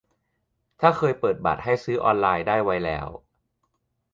ถ้าเคยเปิดบัตรให้ซื้อออนไลน์ได้ไว้แล้ว